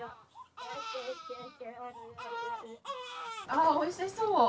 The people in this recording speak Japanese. あおいしそう。